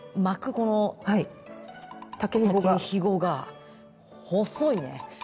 この竹ひごが細いね。